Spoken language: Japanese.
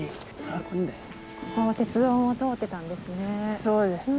ここも鉄道通ってたんですね。